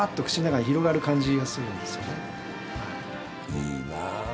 いいなあ。